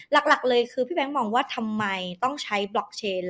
หลักเลยคือพี่แบงค์มองว่าทำไมต้องใช้บล็อกเชน